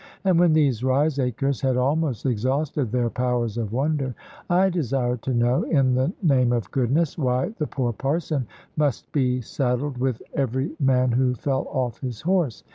And when these wiseacres had almost exhausted their powers of wonder, I desired to know, in the name of goodness, why the poor Parson must be saddled with every man who fell off his horse.